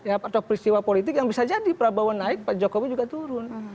atau peristiwa politik yang bisa jadi prabowo naik pak jokowi juga turun